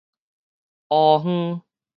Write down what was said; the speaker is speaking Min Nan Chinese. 烏昏